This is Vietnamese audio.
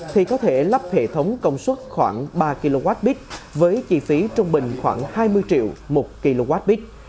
thì có thể lắp hệ thống công suất khoảng ba kwh với chi phí trung bình khoảng hai mươi triệu một kwh